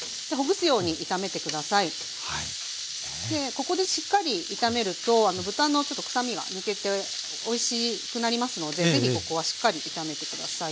ここでしっかり炒めると豚のちょっと臭みが抜けておいしくなりますので是非ここはしっかり炒めて下さい。